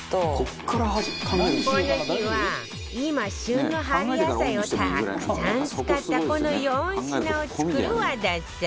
この日は今旬の春野菜をたくさん使ったこの４品を作る和田さん